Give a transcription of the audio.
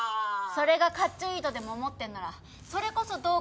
それがかっちょいいとでも思ってんならそれこそどうかなって。